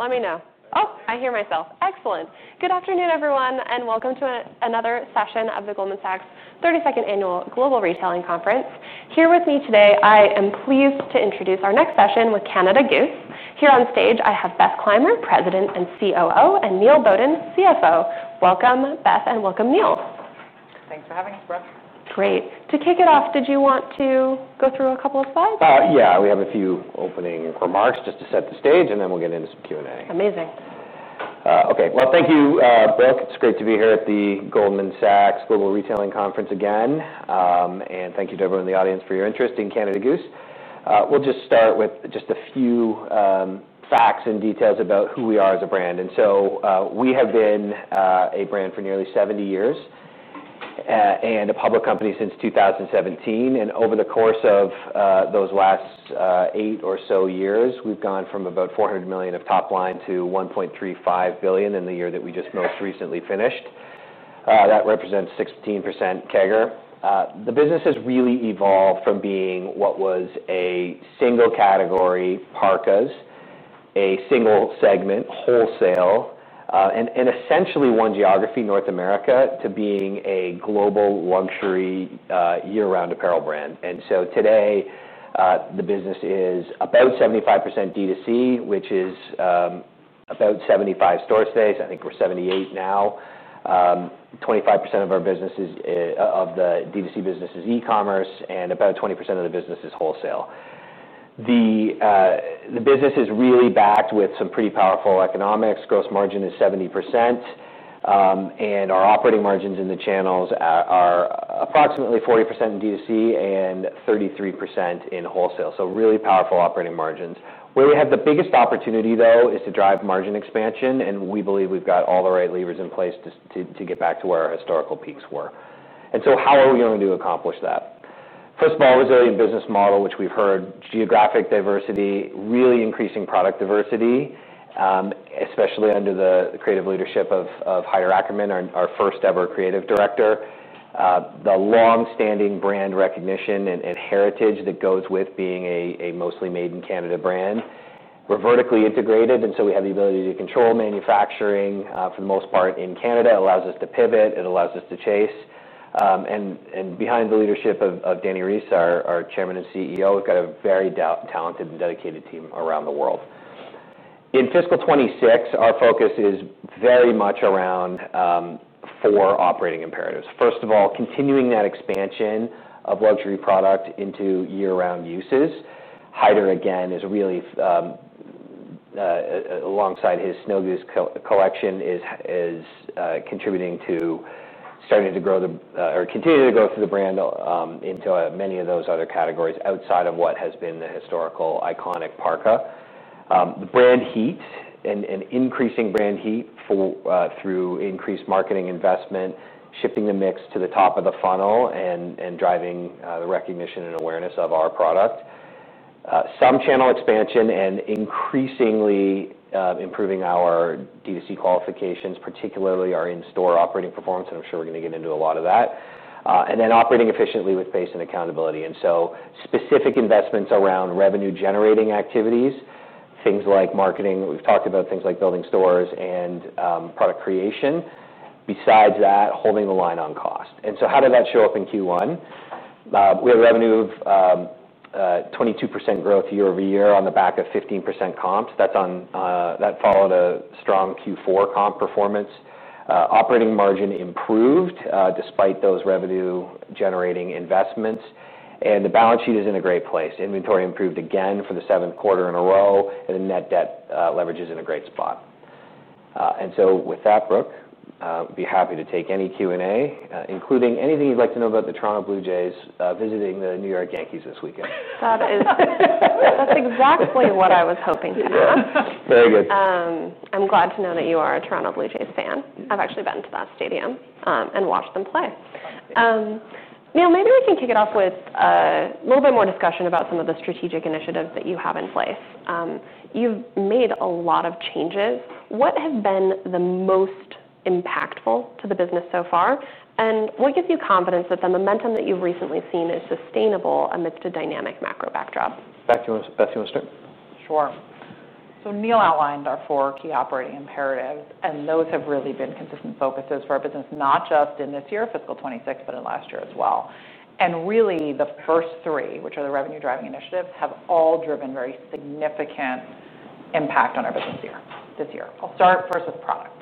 ... Let me know. Oh, I hear myself. Excellent! Good afternoon, everyone, and welcome to another session of the Goldman Sachs thirty-second Annual Global Retailing Conference. Here with me today, I am pleased to introduce our next session with Canada Goose. Here on stage, I have Beth Clymer, President and COO, and Neil Bowden, CFO. Welcome, Beth, and welcome, Neil. Thanks for having us, Brooke. Great. To kick it off, did you want to go through a couple of slides? Yeah, we have a few opening remarks just to set the stage, and then we'll get into some Q&A. Amazing. Okay. Well, thank you, Brooke. It's great to be here at the Goldman Sachs Global Retailing Conference again. And thank you to everyone in the audience for your interest in Canada Goose. We'll just start with just a few facts and details about who we are as a brand. And so, we have been a brand for nearly 70 years, and a public company since 2017, and over the course of those last eight or so years, we've gone from about 400 million of top line to 1.35 billion in the year that we just most recently finished. That represents 16% CAGR. The business has really evolved from being what was a single category, parkas, a single segment, wholesale, and essentially one geography, North America, to being a global luxury year-round apparel brand. And so today, the business is about 75% D2C, which is about 75 stores. I think we're 78 now. 25% of the D2C business is e-commerce, and about 20% of the business is wholesale. The business is really backed with some pretty powerful economics. Gross margin is 70%, and our operating margins in the channels are approximately 40% in D2C and 33% in wholesale, so really powerful operating margins. Where we have the biggest opportunity, though, is to drive margin expansion, and we believe we've got all the right levers in place to get back to where our historical peaks were. And so how are we going to accomplish that? First of all, resilient business model, which we've heard, geographic diversity, really increasing product diversity, especially under the creative leadership of Haider Ackermann, our first-ever creative director. The long-standing brand recognition and heritage that goes with being a mostly made-in-Canada brand. We're vertically integrated, and so we have the ability to control manufacturing, for the most part, in Canada. It allows us to pivot, it allows us to chase. And behind the leadership of Dani Reiss, our Chairman and CEO, we've got a very talented and dedicated team around the world. In fiscal 2026, our focus is very much around four operating imperatives. First of all, continuing that expansion of luxury product into year-round uses. Haider, again, is really alongside his Snow Goose capsule collection, contributing to continuing to grow the brand into many of those other categories outside of what has been the historical iconic parka. The brand heat and increasing brand heat through increased marketing investment, shifting the mix to the top of the funnel, and driving the recognition and awareness of our product. Some channel expansion and increasingly improving our D2C qualifications, particularly our in-store operating performance, and I'm sure we're going to get into a lot of that. And then operating efficiently with pace and accountability, and so specific investments around revenue-generating activities, things like marketing. We've talked about things like building stores and product creation. Besides that, holding the line on cost. And so how did that show up in Q1? We had revenue of 22% growth year over year on the back of 15% comps that followed a strong Q4 comp performance. Operating margin improved despite those revenue-generating investments, and the balance sheet is in a great place. Inventory improved again for the seventh quarter in a row, and the net debt leverage is in a great spot, and so with that, Brooke, I'd be happy to take any Q&A, including anything you'd like to know about the Toronto Blue Jays visiting the New York Yankees this weekend. That's exactly what I was hoping to hear. Very good. I'm glad to know that you are a Toronto Blue Jays fan. I've actually been to that stadium, and watched them play. Neil, maybe we can kick it off with a little bit more discussion about some of the strategic initiatives that you have in place. You've made a lot of changes. What has been the most impactful to the business so far, and what gives you confidence that the momentum that you've recently seen is sustainable amidst a dynamic macro backdrop? Beth, you want to start? Sure. So Neil outlined our four key operating imperatives, and those have really been consistent focuses for our business, not just in this year, fiscal twenty-six, but in last year as well. And really, the first three, which are the revenue-driving initiatives, have all driven very significant impact on our business year, this year. I'll start first with product.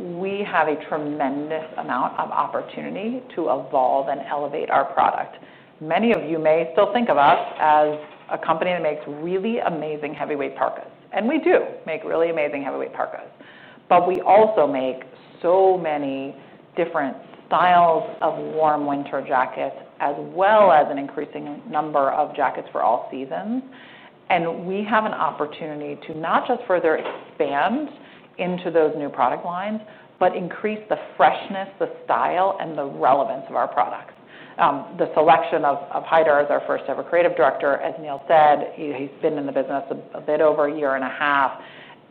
We have a tremendous amount of opportunity to evolve and elevate our product. Many of you may still think of us as a company that makes really amazing heavyweight parkas, and we do make really amazing heavyweight parkas. But we also make so many different styles of warm winter jackets, as well as an increasing number of jackets for all seasons, and we have an opportunity to not just further expand into those new product lines, but increase the freshness, the style, and the relevance of our products. The selection of Haider as our first-ever creative director, as Neil said, he's been in the business a bit over a year and a half,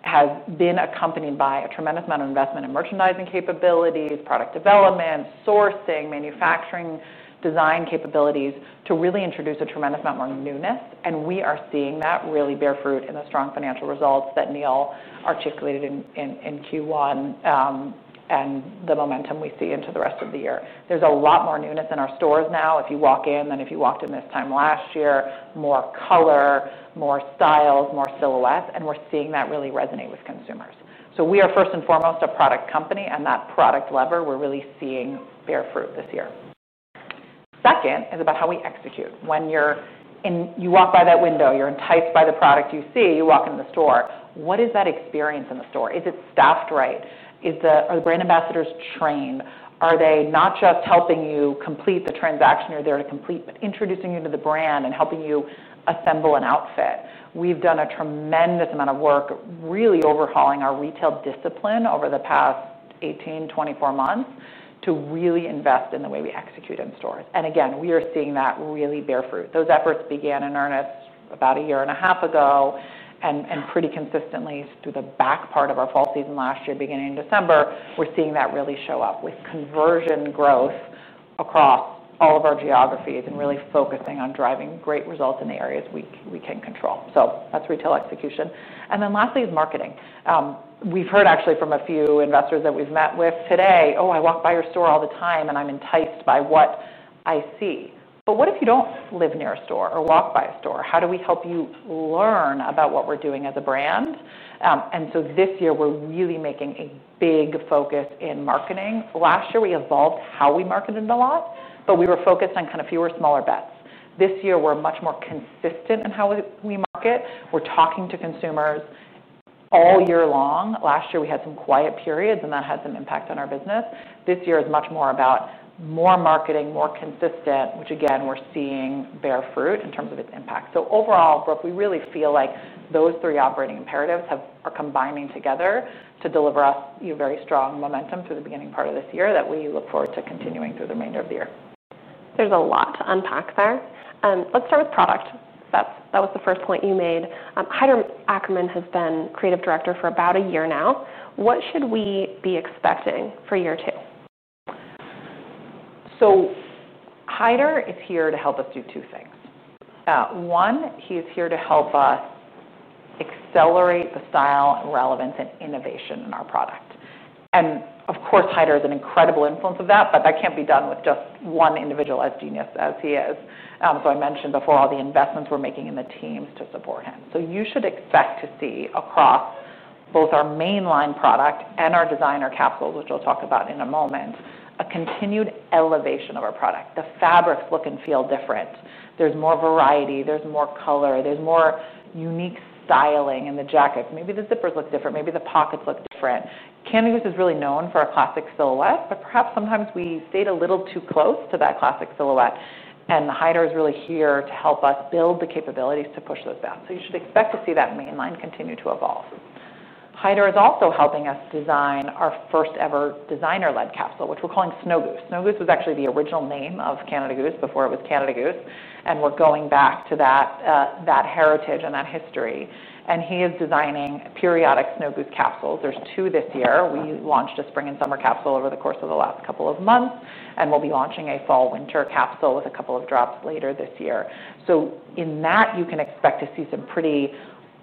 has been accompanied by a tremendous amount of investment in merchandising capabilities, product development, sourcing, manufacturing, design capabilities, to really introduce a tremendous amount more newness. And we are seeing that really bear fruit in the strong financial results that Neil articulated in Q1, and the momentum we see into the rest of the year. There's a lot more newness in our stores now if you walk in, than if you walked in this time last year, more color, more styles, more silhouettes, and we're seeing that really resonate with consumers. So we are first and foremost a product company, and that product lever, we're really seeing bear fruit this year. Second is about how we execute. When you're in, you walk by that window, you're enticed by the product you see, you walk into the store. What is that experience in the store? Is it staffed right? Are the brand ambassadors trained? Are they not just helping you complete the transaction you're there to complete, but introducing you to the brand and helping you assemble an outfit? We've done a tremendous amount of work, really overhauling our retail discipline over the past eighteen, twenty-four months, to really invest in the way we execute in stores. And again, we are seeing that really bear fruit. Those efforts began in earnest about a year and a half ago, and pretty consistently through the back part of our fall season last year, beginning in December, we're seeing that really show up, with conversion growth across all of our geographies and really focusing on driving great results in the areas we can control. So that's retail execution, and then lastly is marketing. We've heard actually from a few investors that we've met with today, "Oh, I walk by your store all the time and I'm enticed by what I see," but what if you don't live near a store or walk by a store? How do we help you learn about what we're doing as a brand, and so this year, we're really making a big focus in marketing. Last year, we evolved how we marketed a lot, but we were focused on kind of fewer, smaller bets. This year, we're much more consistent in how we market. We're talking to consumers all year long. Last year, we had some quiet periods, and that had some impact on our business. This year is much more about more marketing, more consistent, which again, we're seeing bear fruit in terms of its impact. So overall, Brooke, we really feel like those three operating imperatives are combining together to deliver us a very strong momentum through the beginning part of this year, that we look forward to continuing through the remainder of the year. There's a lot to unpack there. Let's start with product. That's, that was the first point you made. Haider Ackermann has been Creative Director for about a year now. What should we be expecting for year two? So Haider is here to help us do two things. One, he is here to help us accelerate the style, relevance, and innovation in our product. And of course, Haider is an incredible influence of that, but that can't be done with just one individual, as genius as he is. I mentioned before all the investments we're making in the teams to support him. So you should expect to see across both our mainline product and our designer capsule, which I'll talk about in a moment, a continued elevation of our product. The fabrics look and feel different. There's more variety, there's more color, there's more unique styling in the jackets. Maybe the zippers look different, maybe the pockets look different. Canada Goose is really known for our classic silhouette, but perhaps sometimes we stayed a little too close to that classic silhouette, and Haider is really here to help us build the capabilities to push those bounds. So you should expect to see that mainline continue to evolve. Haider is also helping us design our first-ever designer-led capsule, which we're calling Snow Goose. Snow Goose was actually the original name of Canada Goose before it was Canada Goose, and we're going back to that, that heritage and that history, and he is designing periodic Snow Goose capsules. There's two this year. We launched a spring and summer capsule over the course of the last couple of months, and we'll be launching a fall/winter capsule with a couple of drops later this year. So in that, you can expect to see some pretty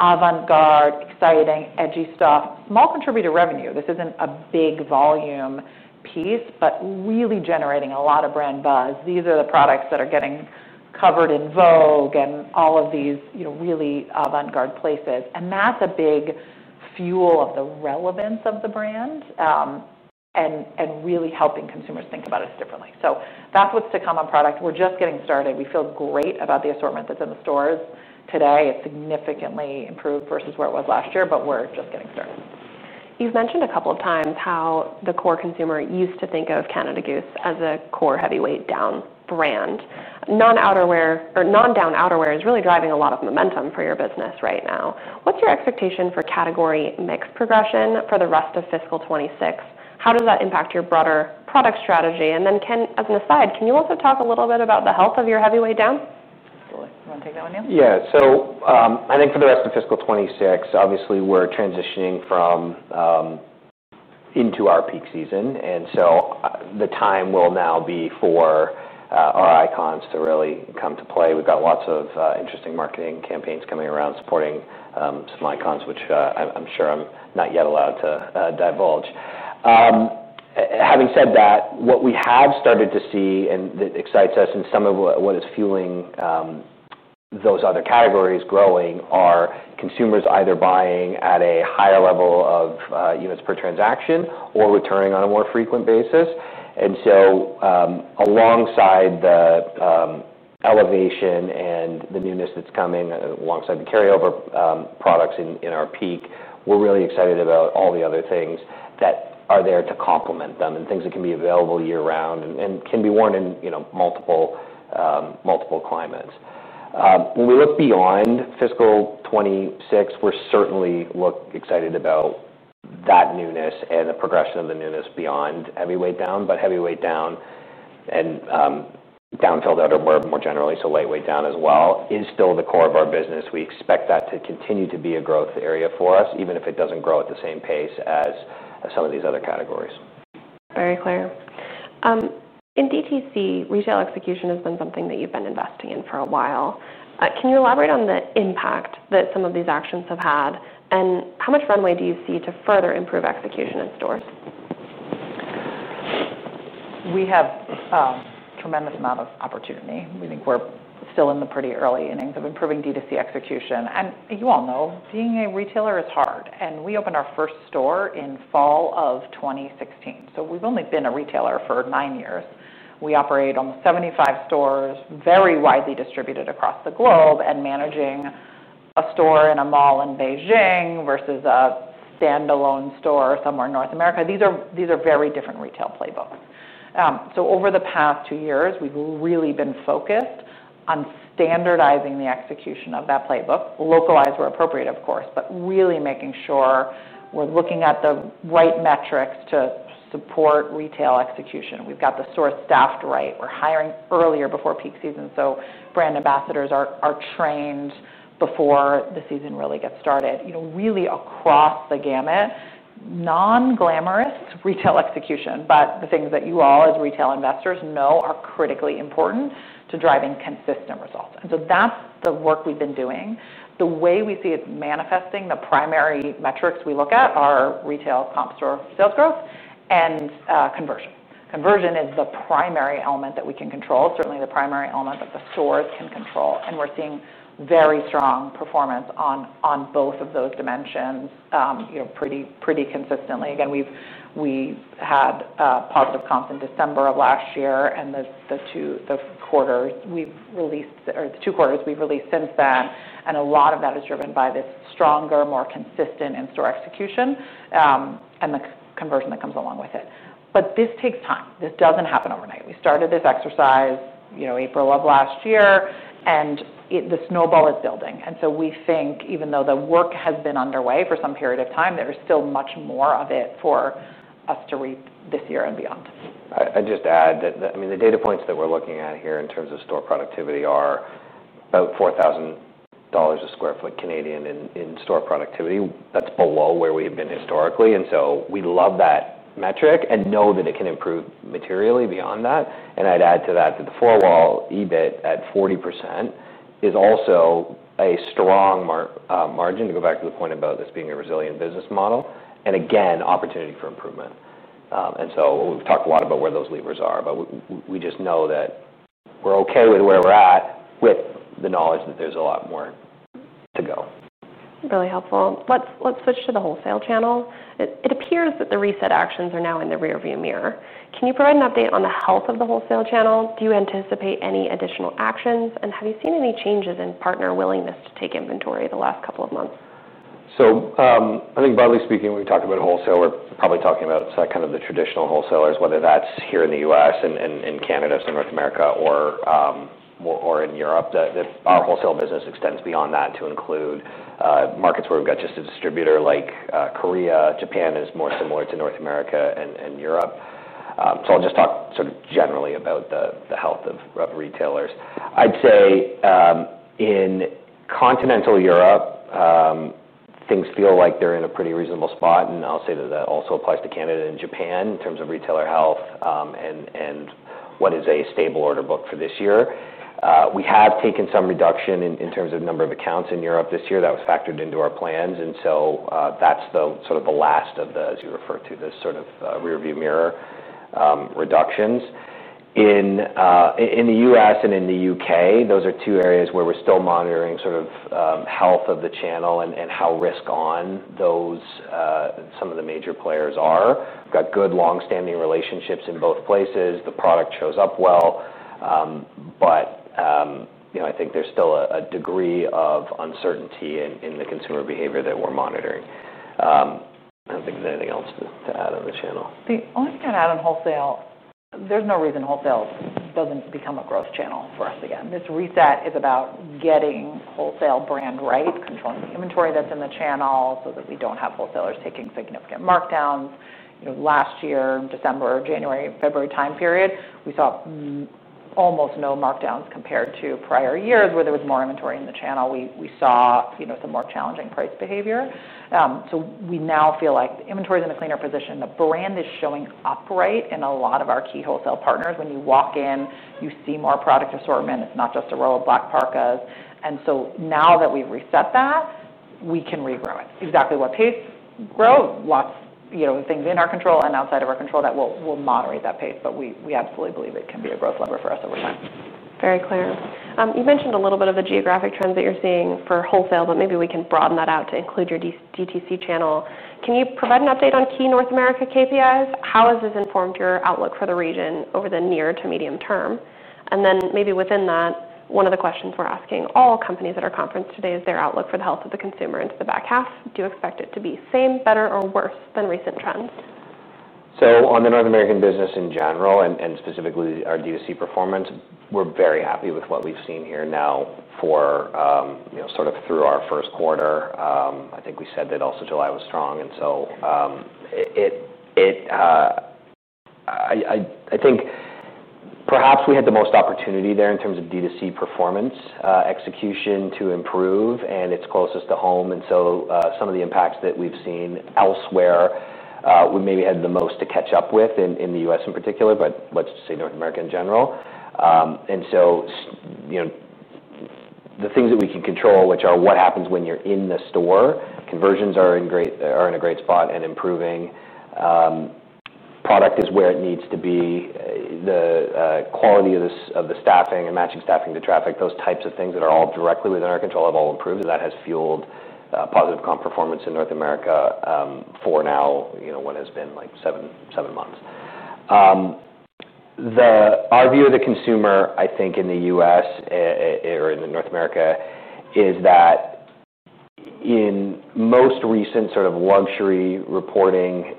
avant-garde, exciting, edgy stuff. Small contributor revenue. This isn't a big volume piece, but really generating a lot of brand buzz. These are the products that are getting covered in Vogue and all of these, you know, really avant-garde places, and that's a big fuel of the relevance of the brand and really helping consumers think about us differently, so that's what's to come on product. We're just getting started. We feel great about the assortment that's in the stores today. It's significantly improved versus where it was last year, but we're just getting started. You've mentioned a couple of times how the core consumer used to think of Canada Goose as a core heavyweight down brand. Non-outerwear or non-down outerwear is really driving a lot of momentum for your business right now. What's your expectation for category mix progression for the rest of fiscal 2026? How does that impact your broader product strategy? And then, as an aside, can you also talk a little bit about the health of your heavyweight down? Sure. You wanna take that one, Neil? Yeah. So, I think for the rest of fiscal 2026, obviously we're transitioning from into our peak season, and so the time will now be for our icons to really come to play. We've got lots of interesting marketing campaigns coming around, supporting some icons, which I, I'm sure I'm not yet allowed to divulge. Having said that, what we have started to see, and that excites us and some of what is fueling those other categories growing, are consumers either buying at a higher level of units per transaction or returning on a more frequent basis. And so, alongside the elevation and the newness that's coming, alongside the carryover products in our peak, we're really excited about all the other things that are there to complement them, and things that can be available year-round and can be worn in, you know, multiple climates. When we look beyond fiscal twenty-six, we're certainly excited about that newness and the progression of the newness beyond heavyweight down, but heavyweight down and down-filled outerwear more generally, so lightweight down as well, is still the core of our business. We expect that to continue to be a growth area for us, even if it doesn't grow at the same pace as some of these other categories. Very clear. In DTC, retail execution has been something that you've been investing in for a while. Can you elaborate on the impact that some of these actions have had, and how much runway do you see to further improve execution in stores? We have a tremendous amount of opportunity. We think we're still in the pretty early innings of improving DTC execution, and you all know, being a retailer is hard, and we opened our first store in fall of 2016, so we've only been a retailer for nine years. We operate almost 75 stores, very widely distributed across the globe, and managing a store in a mall in Beijing versus a standalone store somewhere in North America, these are very different retail playbooks. So over the past two years, we've really been focused on standardizing the execution of that playbook, localized where appropriate, of course, but really making sure we're looking at the right metrics to support retail execution. We've got the store staffed right. We're hiring earlier before peak season, so brand ambassadors are trained before the season really gets started. You know, really across the gamut, non-glamorous retail execution, but the things that you all as retail investors know are critically important to driving consistent results, and so that's the work we've been doing. The way we see it manifesting, the primary metrics we look at, are retail comp store sales growth and conversion. Conversion is the primary element that we can control, certainly the primary element that the stores can control, and we're seeing very strong performance on both of those dimensions, you know, pretty consistently. Again, we had positive comps in December of last year, and the two quarters we've released since then, and a lot of that is driven by this stronger, more consistent in-store execution, and the conversion that comes along with it, but this takes time. This doesn't happen overnight. We started this exercise, you know, April of last year, and the snowball is building, and so we think, even though the work has been underway for some period of time, there is still much more of it for us to reap this year and beyond. I'd just add that, I mean, the data points that we're looking at here in terms of store productivity are about 4,000 dollars a sq ft Canadian in store productivity. That's below where we have been historically, and so we love that metric and know that it can improve materially beyond that. I'd add to that, that the four-wall EBIT at 40% is also a strong margin, to go back to the point about this being a resilient business model, and again, opportunity for improvement, and so we've talked a lot about where those levers are, but we just know that we're okay with where we're at, with the knowledge that there's a lot more to go. Really helpful. Let's switch to the wholesale channel. It appears that the reset actions are now in the rearview mirror. Can you provide an update on the health of the wholesale channel? Do you anticipate any additional actions, and have you seen any changes in partner willingness to take inventory the last couple of months? So, I think broadly speaking, when we talk about wholesale, we're probably talking about kind of the traditional wholesalers, whether that's here in the U.S. and in Canada, so North America, or in Europe. Our wholesale business extends beyond that to include markets where we've got just a distributor like Korea. Japan is more similar to North America and Europe. So I'll just talk sort of generally about the health of retailers. I'd say in continental Europe, things feel like they're in a pretty reasonable spot, and I'll say that that also applies to Canada and Japan in terms of retailer health and what is a stable order book for this year. We have taken some reduction in terms of number of accounts in Europe this year. That was factored into our plans, and so, that's the sort of the last of the, as you refer to, the sort of, rearview mirror reductions. In the U.S. and in the U.K., those are two areas where we're still monitoring sort of, health of the channel and how risk-on those some of the major players are. We've got good long-standing relationships in both places. The product shows up well, but you know, I think there's still a degree of uncertainty in the consumer behavior that we're monitoring. I don't think there's anything else to add on the channel. The only thing I'd add on wholesale, there's no reason wholesale doesn't become a growth channel for us again. This reset is about getting wholesale brand right, controlling the inventory that's in the channel so that we don't have wholesalers taking significant markdowns. You know, last year, December, January, February time period, we saw almost no markdowns compared to prior years where there was more inventory in the channel. We saw, you know, some more challenging price behavior. So we now feel like the inventory is in a cleaner position. The brand is showing up right in a lot of our key wholesale partners. When you walk in, you see more product assortment. It's not just a row of black parkas. And so now that we've reset that, we can regrow it. Exactly what pace? Growth, lots, you know, things in our control and outside of our control that will moderate that pace, but we absolutely believe it can be a growth lever for us over time. Very clear. You mentioned a little bit of the geographic trends that you're seeing for wholesale, but maybe we can broaden that out to include your DTC channel. Can you provide an update on key North America KPIs? How has this informed your outlook for the region over the near to medium term? And then maybe within that, one of the questions we're asking all companies at our conference today is their outlook for the health of the consumer into the back half. Do you expect it to be same, better, or worse than recent trends?... So on the North American business in general, and specifically our D2C performance, we're very happy with what we've seen here now for, you know, sort of through our first quarter. I think we said that also July was strong, and so I think perhaps we had the most opportunity there in terms of D2C performance execution to improve, and it's closest to home. And so some of the impacts that we've seen elsewhere, we maybe had the most to catch up with in the US in particular, but let's just say North America in general. And so you know, the things that we can control, which are what happens when you're in the store, conversions are in a great spot and improving. Product is where it needs to be. The quality of the staffing and matching staffing to traffic, those types of things that are all directly within our control have all improved. That has fueled positive comp performance in North America, for now, you know, what has been, like, seven, seven months. Our view of the consumer, I think, in the U.S., or in North America, is that in most recent sort of luxury reporting,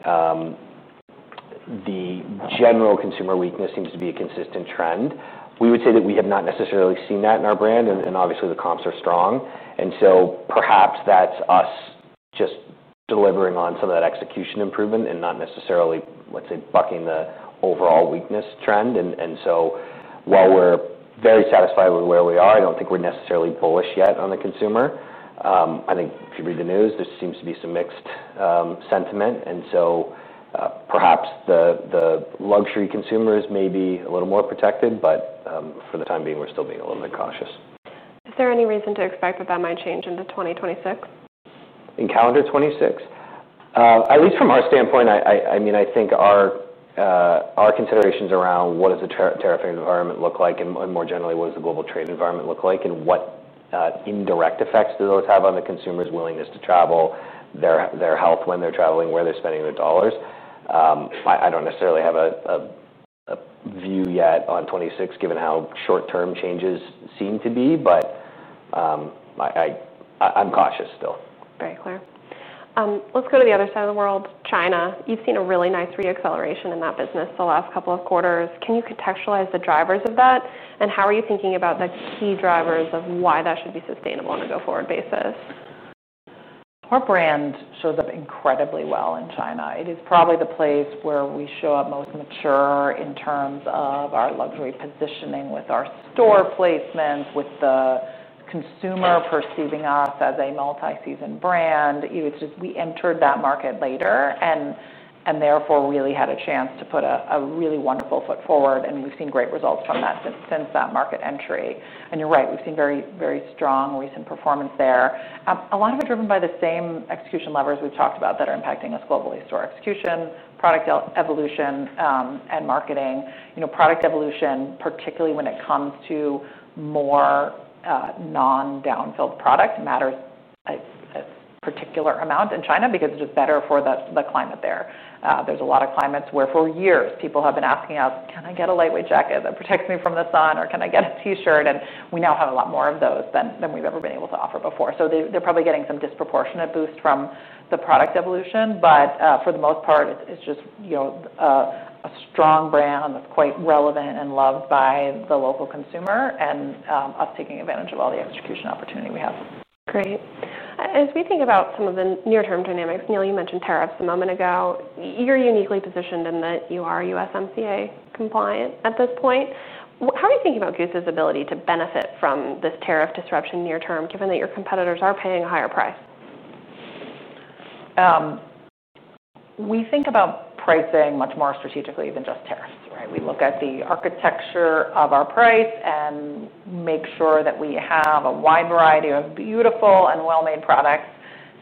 the general consumer weakness seems to be a consistent trend. We would say that we have not necessarily seen that in our brand, and obviously, the comps are strong, and so perhaps that's us just delivering on some of that execution improvement and not necessarily, let's say, bucking the overall weakness trend. While we're very satisfied with where we are, I don't think we're necessarily bullish yet on the consumer. I think if you read the news, there seems to be some mixed sentiment, and so perhaps the luxury consumers may be a little more protected, but for the time being, we're still being a little bit cautious. Is there any reason to expect that that might change into 2026? In calendar 2026? At least from our standpoint, I mean, I think our considerations around what does the tariff environment look like, and more generally, what does the global trade environment look like, and what indirect effects do those have on the consumer's willingness to travel, their health when they're traveling, where they're spending their dollars? I don't necessarily have a view yet on 2026, given how short-term changes seem to be, but I'm cautious still. Very clear. Let's go to the other side of the world: China. You've seen a really nice re-acceleration in that business the last couple of quarters. Can you contextualize the drivers of that, and how are you thinking about the key drivers of why that should be sustainable on a go-forward basis? Our brand shows up incredibly well in China. It is probably the place where we show up most mature in terms of our luxury positioning with our store placement, with the consumer perceiving us as a multi-season brand. It was just we entered that market later and therefore really had a chance to put a really wonderful foot forward, and we've seen great results from that since that market entry, and you're right, we've seen very, very strong recent performance there. A lot of it driven by the same execution levers we've talked about that are impacting us globally: store execution, product evolution, and marketing. You know, product evolution, particularly when it comes to more non-down-filled product, matters a particular amount in China because it's just better for the climate there. There's a lot of climates where, for years, people have been asking us: "Can I get a lightweight jacket that protects me from the sun?" Or, "Can I get a T-shirt?" And we now have a lot more of those than we've ever been able to offer before. So they, they're probably getting some disproportionate boost from the product evolution. But, for the most part, it's just, you know, a strong brand that's quite relevant and loved by the local consumer and us taking advantage of all the execution opportunity we have. Great. As we think about some of the near-term dynamics, Neil, you mentioned tariffs a moment ago. You're uniquely positioned in that you are USMCA compliant at this point. How are you thinking about Goose's ability to benefit from this tariff disruption near term, given that your competitors are paying a higher price? We think about pricing much more strategically than just tariffs, right? We look at the architecture of our price and make sure that we have a wide variety of beautiful and well-made products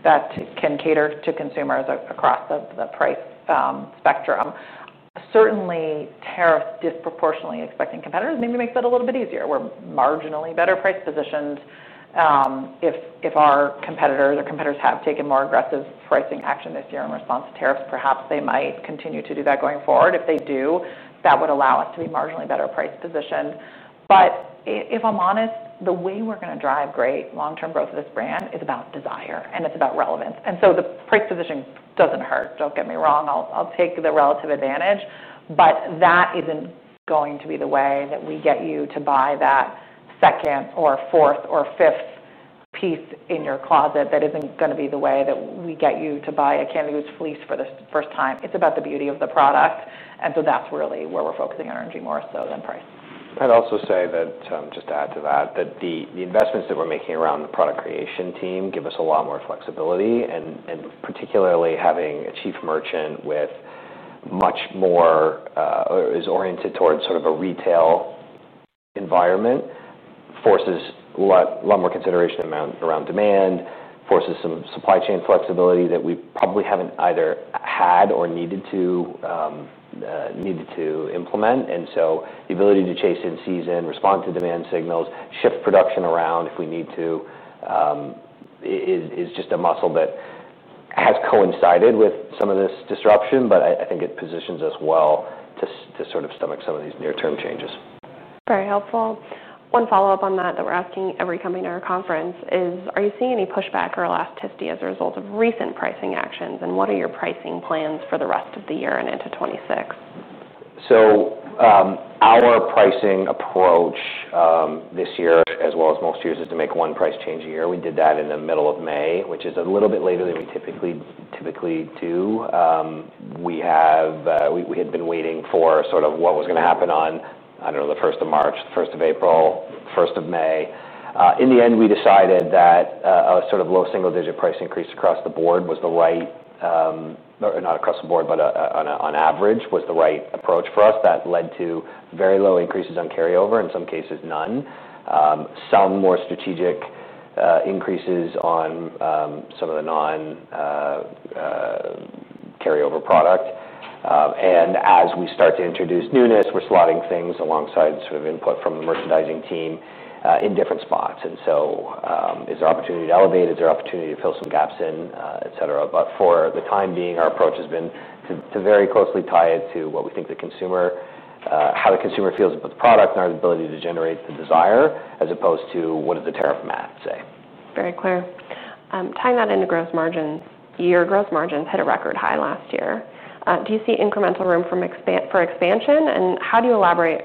that can cater to consumers across the price spectrum. Certainly, tariffs disproportionately affecting competitors maybe makes it a little bit easier. We're marginally better price positioned. If our competitors have taken more aggressive pricing action this year in response to tariffs, perhaps they might continue to do that going forward. If they do, that would allow us to be marginally better price positioned. But if I'm honest, the way we're going to drive great long-term growth of this brand is about desire, and it's about relevance, and so the price positioning doesn't hurt. Don't get me wrong, I'll take the relative advantage, but that isn't going to be the way that we get you to buy that second or fourth or fifth piece in your closet. That isn't going to be the way that we get you to buy a Canada Goose fleece for the first time. It's about the beauty of the product, and so that's really where we're focusing our energy more so than price. I'd also say that, just to add to that, the investments that we're making around the product creation team give us a lot more flexibility, and particularly having a chief merchant with much more is oriented towards sort of a retail environment, forces a lot more consideration amount around demand, forces some supply chain flexibility that we probably haven't either had or needed to implement, and so the ability to chase in-season, respond to demand signals, shift production around if we need to, is just a muscle that has coincided with some of this disruption, but I think it positions us well to sort of stomach some of these near-term changes.... Very helpful. One follow-up on that, that we're asking every company in our conference is: Are you seeing any pushback or elasticity as a result of recent pricing actions, and what are your pricing plans for the rest of the year and into 2026? So, our pricing approach, this year, as well as most years, is to make one price change a year. We did that in the middle of May, which is a little bit later than we typically do. We had been waiting for sort of what was gonna happen on, I don't know, the first of March, the first of April, first of May. In the end, we decided that a sort of low single-digit price increase across the board was the right, or not across the board, but on average, was the right approach for us. That led to very low increases on carryover, in some cases, none. Some more strategic increases on some of the non-carryover product. And as we start to introduce newness, we're slotting things alongside sort of input from the merchandising team, in different spots. And so, is there opportunity to elevate? Is there opportunity to fill some gaps in, et cetera? But for the time being, our approach has been to very closely tie it to what we think the consumer, how the consumer feels about the product and our ability to generate the desire, as opposed to what does the tariff math say? Very clear. Tying that into gross margins, your gross margins hit a record high last year. Do you see incremental room for expansion, and can you elaborate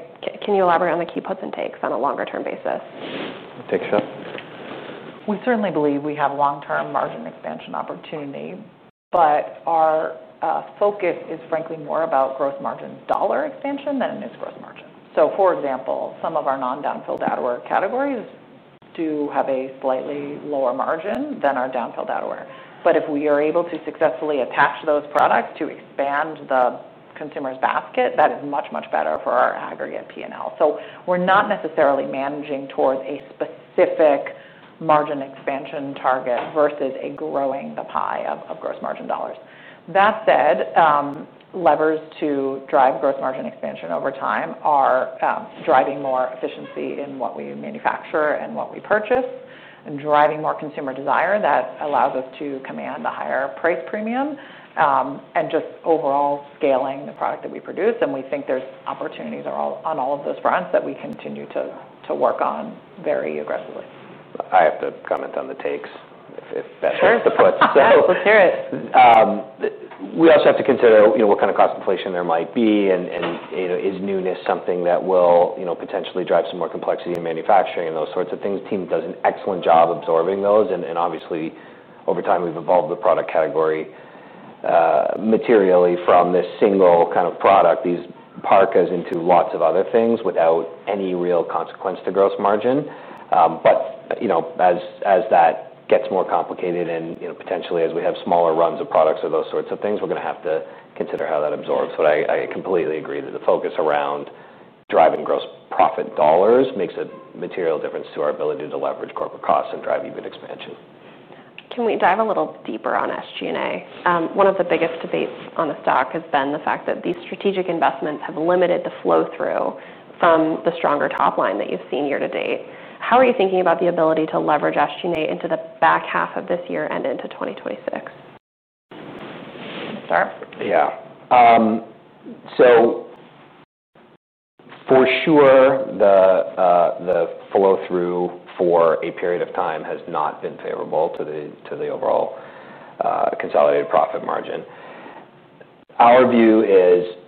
on the key puts and takes on a longer-term basis? Take a shot. We certainly believe we have long-term margin expansion opportunity, but our focus is frankly more about gross margin dollar expansion than it is gross margin. So, for example, some of our non-down-filled outerwear categories do have a slightly lower margin than our down-filled outerwear. But if we are able to successfully attach those products to expand the consumer's basket, that is much, much better for our aggregate P&L. So we're not necessarily managing towards a specific margin expansion target versus growing the pie of gross margin dollars. That said, levers to drive gross margin expansion over time are driving more efficiency in what we manufacture and what we purchase, and driving more consumer desire that allows us to command a higher price premium, and just overall scaling the product that we produce. We think there's opportunities on all of those fronts that we continue to work on very aggressively. I have to comment on the takes, if Sure. That's the puts. Let's hear it. We also have to consider, you know, what kind of cost inflation there might be and, you know, is newness something that will, you know, potentially drive some more complexity in manufacturing and those sorts of things. Team does an excellent job absorbing those, and obviously, over time, we've evolved the product category materially from this single kind of product, these parkas, into lots of other things without any real consequence to gross margin. But, you know, as that gets more complicated and, you know, potentially as we have smaller runs of products or those sorts of things, we're gonna have to consider how that absorbs. But I completely agree that the focus around driving gross profit dollars makes a material difference to our ability to leverage corporate costs and drive EBIT expansion. Can we dive a little deeper on SG&A? One of the biggest debates on the stock has been the fact that these strategic investments have limited the flow-through from the stronger top line that you've seen year to date. How are you thinking about the ability to leverage SG&A into the back half of this year and into 2026? Sure. Yeah. So for sure, the, the flow-through for a period of time has not been favorable to the, to the overall, consolidated profit margin. Our view is,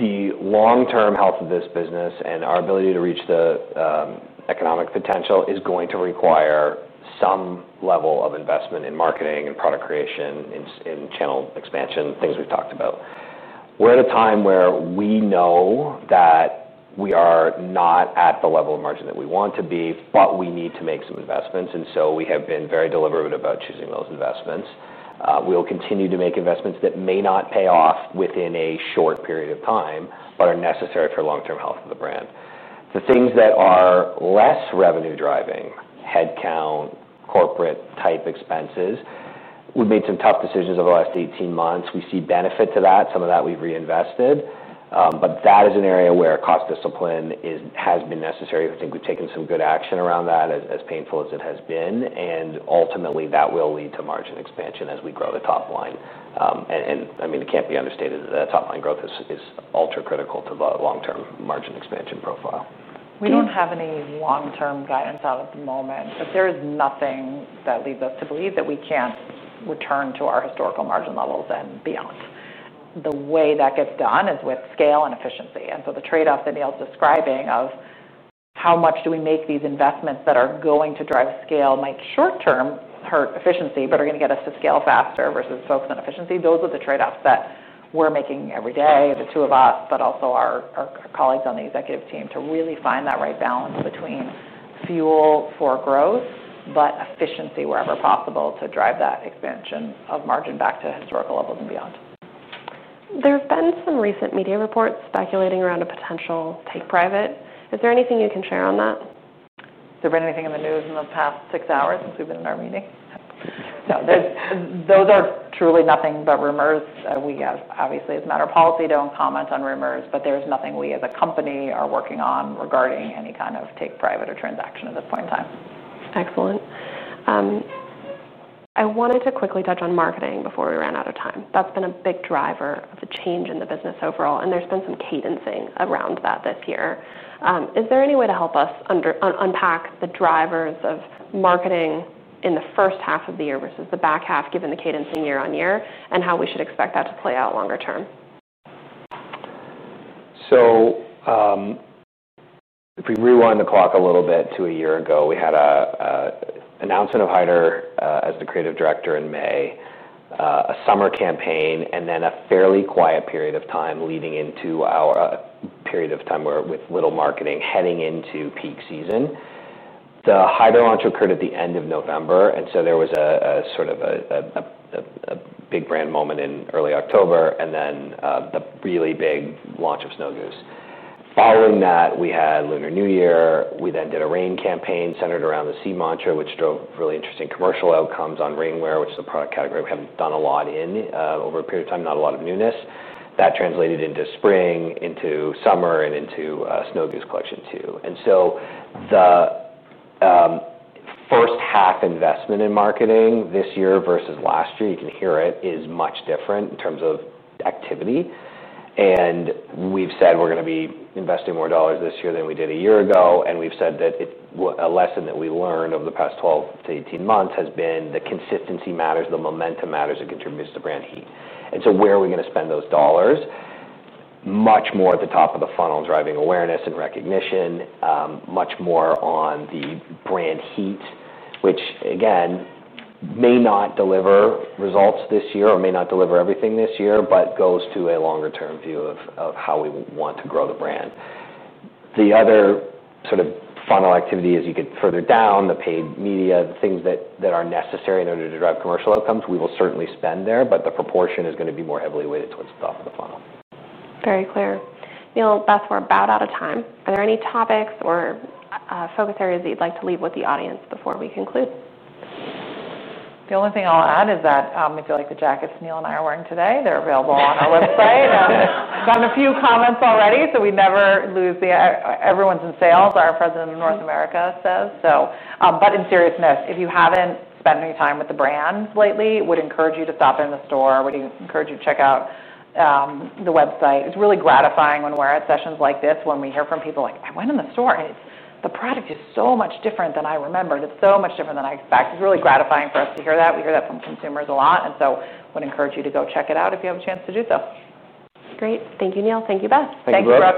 the long-term health of this business and our ability to reach the, economic potential is going to require some level of investment in marketing and product creation, in channel expansion, things we've talked about. We're at a time where we know that we are not at the level of margin that we want to be, but we need to make some investments, and so we have been very deliberate about choosing those investments. We will continue to make investments that may not pay off within a short period of time, but are necessary for long-term health of the brand. The things that are less revenue driving, headcount, corporate-type expenses, we've made some tough decisions over the last eighteen months. We see benefit to that. Some of that we've reinvested, but that is an area where cost discipline has been necessary. I think we've taken some good action around that, as painful as it has been, and ultimately, that will lead to margin expansion as we grow the top line. I mean, it can't be understated that top-line growth is ultra-critical to the long-term margin expansion profile. We don't have any long-term guidance out at the moment, but there is nothing that leads us to believe that we can't return to our historical margin levels and beyond. The way that gets done is with scale and efficiency, and so the trade-off that Neil's describing of how much do we make these investments that are going to drive scale, might short term, hurt efficiency, but are gonna get us to scale faster versus focus on efficiency. Those are the trade-offs that we're making every day, the two of us, but also our colleagues on the executive team, to really find that right balance between fuel for growth, but efficiency wherever possible, to drive that expansion of margin back to historical levels and beyond. There have been some recent media reports speculating around a potential take private. Is there anything you can share on that? Has there been anything in the news in the past six hours since we've been in our meeting? No. Those are truly nothing but rumors. We obviously, as a matter of policy, don't comment on rumors, but there's nothing we, as a company, are working on regarding any kind of take private or transaction at this point in time. Excellent. I wanted to quickly touch on marketing before we ran out of time. That's been a big driver of the change in the business overall, and there's been some cadencing around that this year. Is there any way to help us unpack the drivers of marketing in the first half of the year versus the back half, given the cadencing year on year, and how we should expect that to play out longer term? So, if we rewind the clock a little bit to a year ago, we had an announcement of Haider as the creative director in May, a summer campaign, and then a fairly quiet period of time leading into our period of time where with little marketing, heading into peak season. The Haider launch occurred at the end of November, and so there was a sort of a big brand moment in early October, and then the really big launch of Snow Goose. Following that, we had Lunar New Year. We then did a rain campaign centered around the sea mantra, which drove really interesting commercial outcomes on rainwear, which is a product category we haven't done a lot in over a period of time, not a lot of newness. That translated into spring, into summer, and into Snow Goose collection, too. And so the first half investment in marketing this year versus last year, you can hear it, is much different in terms of activity, and we've said we're gonna be investing more dollars this year than we did a year ago, and we've said that a lesson that we learned over the past 12 months-18 months has been the consistency matters, the momentum matters, it contributes to brand heat. And so where are we gonna spend those dollars? Much more at the top of the funnel, driving awareness and recognition, much more on the brand heat, which, again, may not deliver results this year or may not deliver everything this year, but goes to a longer-term view of how we want to grow the brand. The other sort of funnel activity, as you get further down, the paid media, the things that are necessary in order to drive commercial outcomes, we will certainly spend there, but the proportion is gonna be more heavily weighted towards the top of the funnel. Very clear. Neil, Beth, we're about out of time. Are there any topics or focus areas that you'd like to leave with the audience before we conclude? The only thing I'll add is that, if you like the jackets Neil and I are wearing today, they're available on our website. Gotten a few comments already, so we never lose the everyone's in sales, our President of North America says, so... But in seriousness, if you haven't spent any time with the brands lately, would encourage you to stop in the store, encourage you to check out the website. It's really gratifying when we're at sessions like this, when we hear from people like, "I went in the store, and it's, the product is so much different than I remembered. It's so much different than I expected." It's really gratifying for us to hear that. We hear that from consumers a lot, and so would encourage you to go check it out if you have a chance to do so. Great. Thank you, Neil. Thank you, Beth. Thank you. Thanks, Brooke.